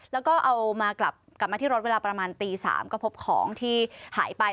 แล้วก็เอามากลับมาที่รถเวลาประมาณตี๓ก็พบของที่หายไป